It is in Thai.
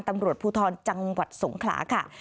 ตำรวจภูทรจังหวัดสงขลาค่ะ